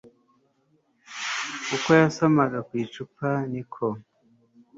uko yasomaga kwicupa niko